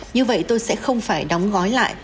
như vậy tôi sẽ không phải đóng gói lại